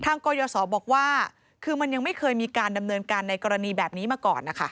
กรยศบอกว่าคือมันยังไม่เคยมีการดำเนินการในกรณีแบบนี้มาก่อนนะคะ